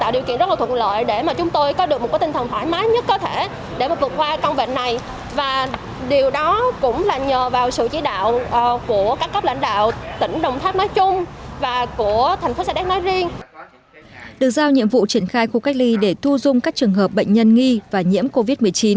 được giao nhiệm vụ triển khai khu cách ly để thu dung các trường hợp bệnh nhân nghi và nhiễm covid một mươi chín